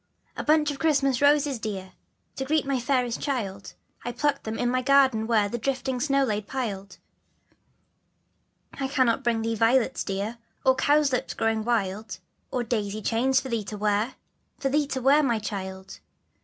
/I BUNCH of Christmas Roses, dear, ^^/jf To S reet m y fairest child, I plucked them in my garden where The drifting snow lay piled. I cannot bring thee violets dear, Or cowslips growing wild, Or daisy chain for thee to wear, For thee to wear, my child.